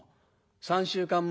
３週間前？